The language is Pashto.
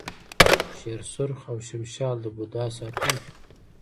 شیر سرخ او شمشال د بودا ساتونکي وو